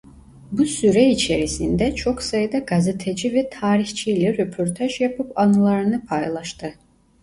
Bu süre içerisinde çok sayıda gazeteci ve tarihçiyle röportaj yapıp anılarını paylaştı.